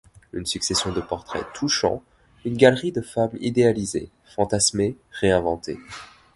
Une succession de portraits touchants, une galerie de femmes idéalisées, fantasmées, réinventées.